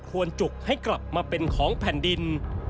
จุกให้กลับมาเป็นของแผ่นดิน